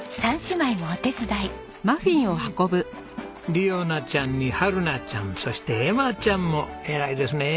莉央奈ちゃんに陽奈ちゃんそして瑛麻ちゃんも偉いですね。